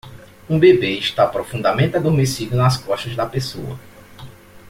Um bebê está profundamente adormecido nas costas da pessoa.